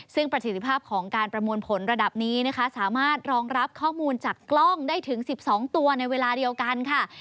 ซึ่งประสิทธิภาพของการประมวลผลระดับนี้นะคะสามารถรองรับข้อมูลจากกล้องได้ถึง๑๒ตัวในเวลาเดียวกันค่ะ